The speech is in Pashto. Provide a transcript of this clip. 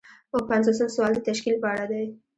اووه پنځوسم سوال د تشکیل په اړه دی.